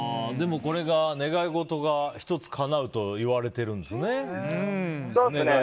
これが願い事が１つかなうといわれているんですね。